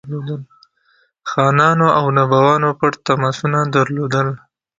خانانو او نوابانو پټ تماسونه درلودل.